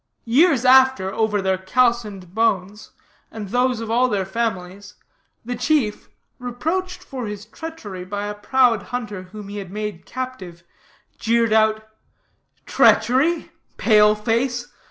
Years after, over their calcined bones and those of all their families, the chief, reproached for his treachery by a proud hunter whom he had made captive, jeered out, "Treachery? pale face!